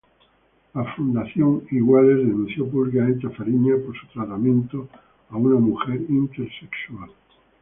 La Fundación Iguales denunció públicamente a Fariña por su tratamiento a una mujer intersexual.